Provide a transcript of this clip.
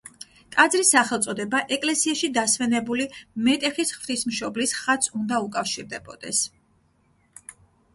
ტაძრის სახელწოდება ეკლესიაში დასვენებული მეტეხის ღვთისმშობლის ხატს უნდა უკავშირდებოდეს.